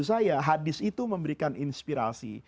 menurut saya hadis itu memberikan inspirasi